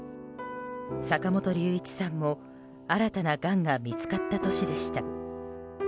坂本龍一さんも、新たながんが見つかった年でした。